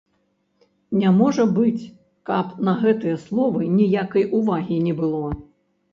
Не можа быць, каб на гэтыя словы ніякай увагі не было.